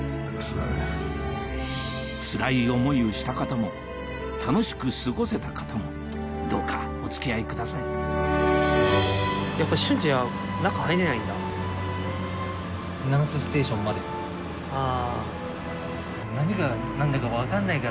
つらい思いをした方も楽しく過ごせた方もどうかお付き合いくださいあぁ。